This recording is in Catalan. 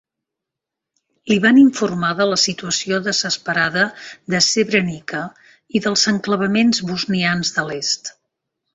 Li van informar de la situació desesperada de Srebrenica i dels enclavaments bosnians de l'est.